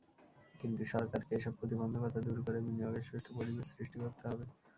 কিন্তু সরকারকে এসব প্রতিবন্ধকতা দূর করে বিনিয়োগের সুষ্ঠু পরিবেশ সৃষ্টি করতে হবে।